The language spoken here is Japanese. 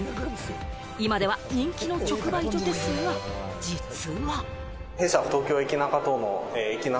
今では人気の直売所ですが、実は。